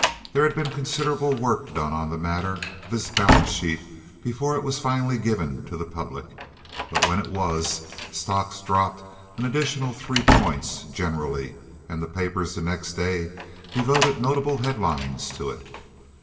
There had been considerable work done on the matter of his balance sheet before it was finally given to the public; but when it was, stocks dropped an additional three points generally, and the papers the next day devoted notable headlines to it.